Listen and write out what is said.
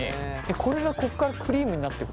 これがここからクリームになっていく？